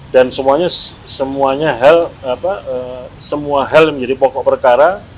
dan semuanya semuanya hal apa semua hal yang menjadi pokok perkara